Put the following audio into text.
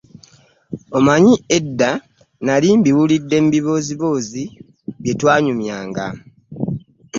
Omanyi edda nnali mbiwulidde mu bibooziboozi bye twanyumyanga.